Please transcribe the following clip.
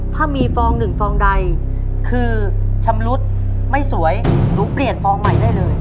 ถ้ามีฟองหนึ่งฟองใดคือชำรุดไม่สวยหนูเปลี่ยนฟองใหม่ได้เลย